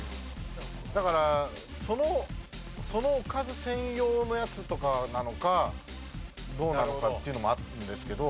だからそのおかず専用のやつとかなのかどうなのかっていうのもあるんですけど。